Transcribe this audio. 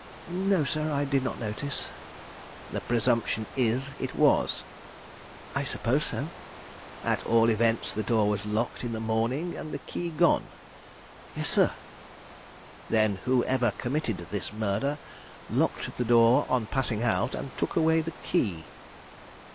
"No, sir; I did not notice." "The presumption is, it was?" "I suppose so." "At all events, the door was locked in the morning, and the key gone?" "Yes, sir." "Then whoever committed this murder locked the door on passing out, and took away the key?"